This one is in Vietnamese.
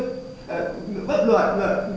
quán đồng bắt loạt